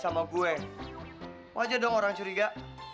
sama gue aja dong orang curiga